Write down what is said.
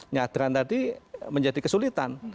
nyadran tadi menjadi kesulitan